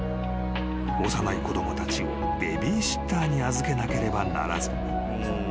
［幼い子供たちをベビーシッターに預けなければならず］